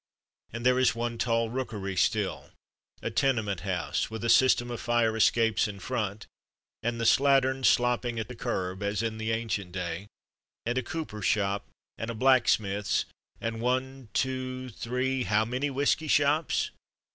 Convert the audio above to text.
And there is one tall rookery still, a tenement house, with a system of fire escapes in front, and the slattern slopping at the curb as in the ancient day, and a cooper's shop, and a blacksmith's, and one, two, three, how many whiskey shops?